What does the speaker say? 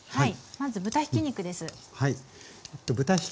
まず豚ひき肉です。